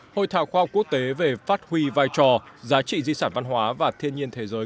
hội thảo khoa học quốc tế về phát huy vai trò giá trị di sản văn hóa và thiên nhiên thế giới